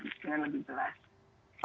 dengan lebih jelas